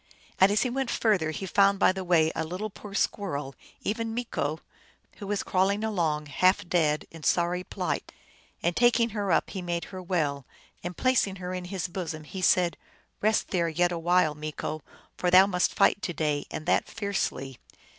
And as he went further he found by the way a poor little squirrel, even Meeko, who was crawling along, half dead, in sorry plight. And taking her up he made her well, and placing her in his bosom, said, " Eest there yet a while, Meeko, for thou must fight to day, and that fiercely.